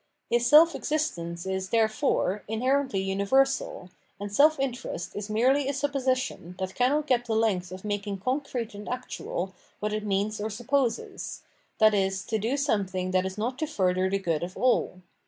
His self existence is, therefore, inherently universal, and self interest is merely a supposition that caimot get the length of making concrete and actual what it means or sup 502 Phenomenology of Mind poses, viz. to do something that is not to further the good of all.